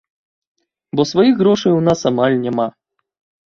Бо сваіх грошай у нас амаль няма.